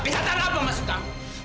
kenyataan apa maksud kamu